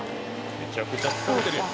めちゃくちゃ疲れてるやん